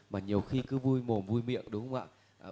mà nhiều khi cứ vui mùa vui miệng đúng không ạ